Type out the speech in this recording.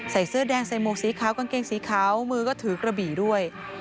เสื้อแดงใส่หมวกสีขาวกางเกงสีขาวมือก็ถือกระบี่ด้วย